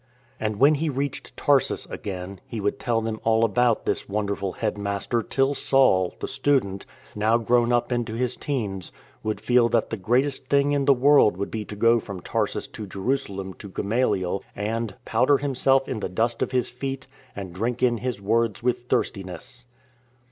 And when he reached Tarsus again, he would tell them all about this wonder ful headmaster till Saul, the student, now grown up into his 'teens, would feel that the greatest thing in the world would be to go from Tarsus to Jerusalem to Gamaliel, and " Powder himself in the dust at his feet, And drink in his words with thirstiness."